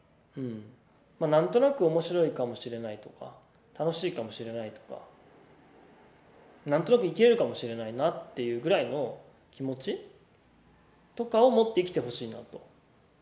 何となく面白いかもしれないとか楽しいかもしれないとか何となく生きれるかもしれないなっていうぐらいの気持ちとかを持って生きてほしいなと。